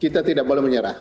kita tidak boleh menyerah